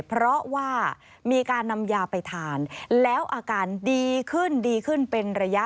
เพราะว่ามีการนำยาไปทานแล้วอาการดีขึ้นดีขึ้นเป็นระยะ